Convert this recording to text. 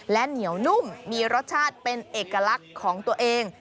และเหนียวนุ่มมีรสชาติเป็นเอกลักษณ์ของตัวเอง